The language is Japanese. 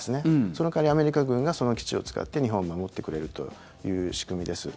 その代わり、アメリカ軍がその基地を使って日本を守ってくれるという仕組みです。